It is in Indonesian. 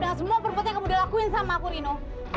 dengan semua perbuatan yang kamu lakuin sama aku rino